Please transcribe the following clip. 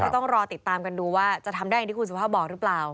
ต้องรอติดตามกันดูว่าจะทำได้อย่างที่คุณสุภาพบอกหรือเปล่า